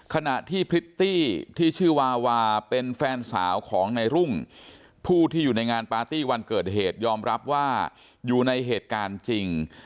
ขณะที่พริตตี้ที่ชื่อวาวาเป็นแฟนสาวของในรุ่งผู้ที่อยู่ในงานปาร์ตี้วันเกิดเหตุยอมรับว่าอยู่ในเหตุการณ์จริง